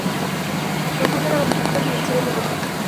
Su enfoque era la política financiera y económica.